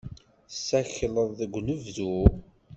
Tessakleḍ deg unebdu?